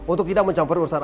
untuk tidak mencampur urusan